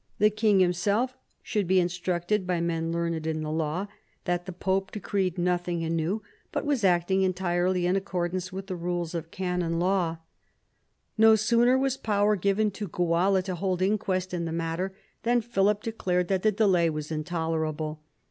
The king himself should be instructed by men learned in the law that the pope decreed nothing anew, but was acting entirely in accordance with the rules of canon law. No vi PHILIP AND THE PAPACY 177 sooner was power given to Guala to hold inquest in the matter than Philip declared that the delay was intoler able.